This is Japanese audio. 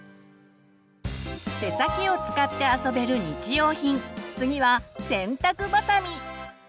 手先を使って遊べる日用品次は洗濯ばさみ。